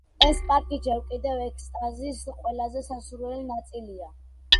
ეს პარკი ჯერ კიდევ ექსტაზის ყველაზე სასურველი ნაწილია.